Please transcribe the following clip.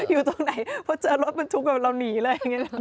อยู่ตรงไหนเพราะเจอรถปันทุกเราหนีแล้วอย่างนี้